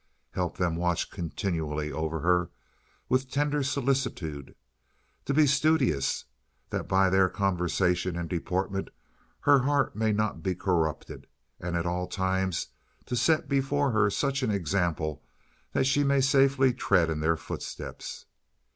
Help them to watch continually over her with tender solicitude, to be studious, that by their conversation and deportment her heart may not be corrupted, and at all times to set before her such an example that she may safely tread in their footsteps.